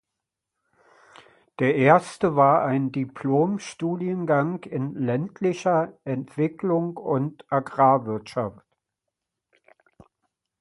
Der erste war ein Diplom-Studiengang in Ländlicher Entwicklung und Agrarwirtschaft.